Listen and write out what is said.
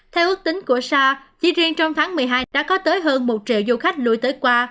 theo ước tính của sa chỉ riêng trong tháng một mươi hai đã có tới hơn một triệu du khách lùi tới qua